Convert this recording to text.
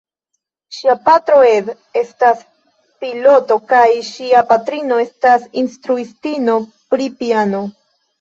Ŝia patro, Ed, estas piloto kaj ŝia patrino estas instruistino pri piano.